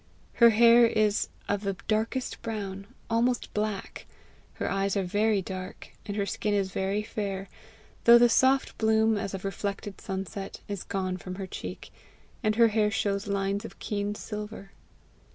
Her hair is of the darkest brown, almost black; her eyes are very dark, and her skin is very fair, though the soft bloom, as of reflected sunset, is gone from her cheek, and her hair shows lines of keen silver.